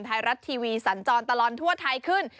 ไทยรัฐทีวีสันจรตลอดทั่วไทยขึ้น